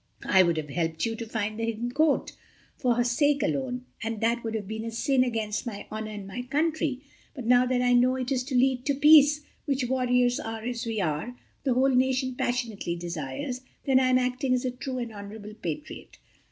I would have helped you to find the hidden coat—for her sake alone, and that would have been a sin against my honor and my country—but now that I know it is to lead to peace, which, warriors as we are, the whole nation passionately desires, then I am acting as a true and honorable patriot.